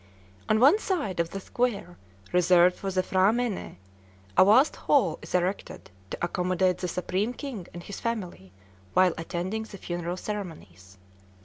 On one side of the square reserved for the P'hra mène, a vast hall is erected to accommodate the Supreme King and his family while attending the funeral ceremonies.